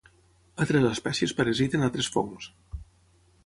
Altres espècies parasiten altres fongs.